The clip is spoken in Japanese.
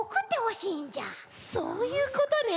そういうことね。